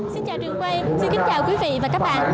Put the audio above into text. xin chào trường quay xin kính chào quý vị và các bạn